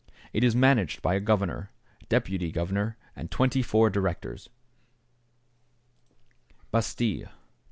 It is managed by a governor, deputy governor, and twenty four directors. =Bastile.